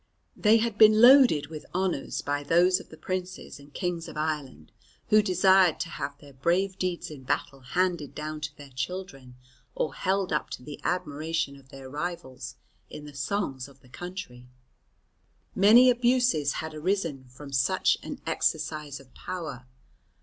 They had been loaded with honours by those of the princes and kings of Ireland who desired to have their brave deeds in battle handed down to their children or held up to the admiration of their rivals in the songs of the country. Many abuses had arisen from such an exercise of power.